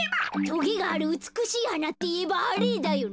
とげがあるうつくしいはなっていえばあれだよね。